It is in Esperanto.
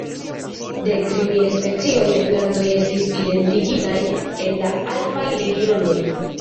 Dektri mil specioj de plantoj estis identigitaj en la alpaj regionoj.